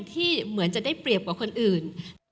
ที่เหมือนจะได้เปรียบกว่าคนอื่น